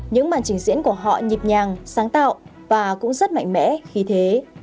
những màn trình diễn của họ nhịp nhàng sáng tạo và cũng rất mạnh mẽ khi thế